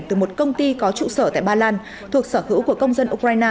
từ một công ty có trụ sở tại ba lan thuộc sở hữu của công dân ukraine